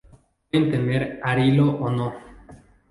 Pueden tener arilo o no.